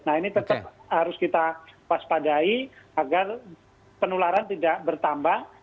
nah ini tetap harus kita waspadai agar penularan tidak bertambah